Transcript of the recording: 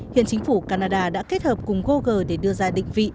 hiện chính phủ canada đã kết hợp cùng google để đưa ra định vị